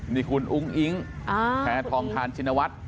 นี่คุณอุ้งอิ๊งแพทองทานชินวัฒน์